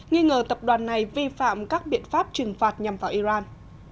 nghi ngờ tập đoàn này vi phạm các biện pháp trừng phạt nhằm vào iran